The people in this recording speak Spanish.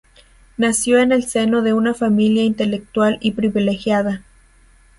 Nació en el seno de una familia intelectual y privilegiada.